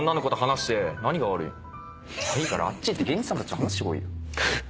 いいからあっち行って芸人さんたちと話してこいよ。